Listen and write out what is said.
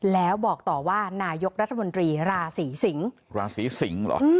แล้วบอกต่อว่านายกรัฐมนตรีราศีสิงศ์ราศีสิงศ์เหรอ